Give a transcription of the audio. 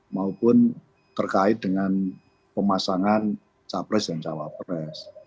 maupun terkait dengan pemasangan capres dan cawapres